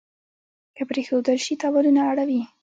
که پرېښودل شي تاوانونه اړوي.